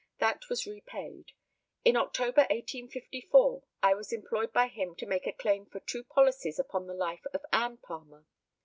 That was repaid. In October, 1854. I was employed by him to make a claim for two policies upon the life of Ann Palmer.